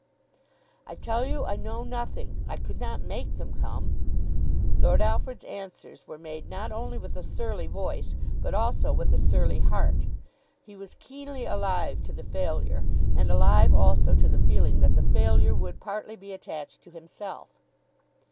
"I tell you I know nothing. I could not make them come." Lord Alfred's answers were made not only with a surly voice, but also with a surly heart. He was keenly alive to the failure, and alive also to the feeling that the failure would partly be attached to himself.